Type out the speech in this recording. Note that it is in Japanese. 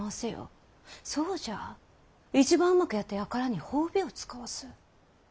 そうじゃ一番うまくやった輩には褒美を遣わす。